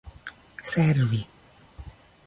servi